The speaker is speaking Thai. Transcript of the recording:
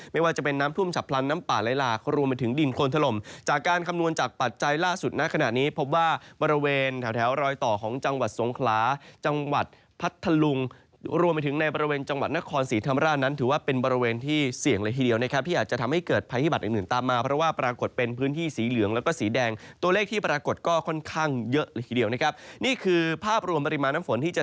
ไม่ว่าจะเป็นน้ำพุ่มฉับพลันน้ำป่าและลากรวมไปถึงดินโคนถล่มจากการคำนวณจากปัจจัยล่าสุดนักขณะนี้พบว่าบริเวณแถวรอยต่อของจังหวัดสวงคลาจังหวัดพัทธลุงรวมไปถึงในบริเวณจังหวัดนครศรีธรรมร่านั้นถือว่าเป็นบริเวณที่เสี่ยงเลยทีเดียวที่อาจจะทำให้เกิดภายธิบัตรอื่น